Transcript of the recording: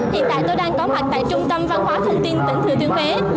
hiện tại tôi đang có mặt tại trung tâm văn hóa thông tin tỉnh thừa thiên huế